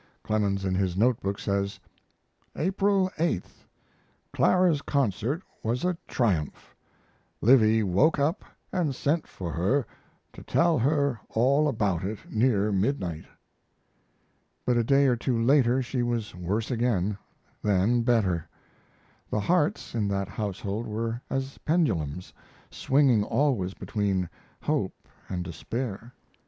Clemens in his note book says: April 8. Clara's concert was a triumph. Livy woke up & sent for her to tell her all about it, near midnight. But a day or two later she was worse again then better. The hearts in that household were as pendulums, swinging always between hope and despair.